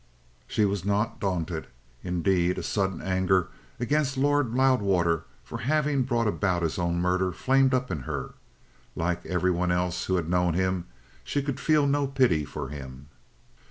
She was not daunted; indeed, a sudden anger against Lord Loudwater for having brought about his own murder flamed up in her. Like every one else who had known him, she could feel no pity for him.